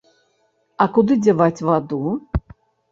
А куды дзяваць ваду?